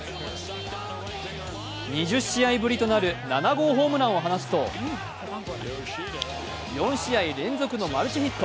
２０試合ぶりとなる７号ホームランを放つと４試合連続のマルチヒット。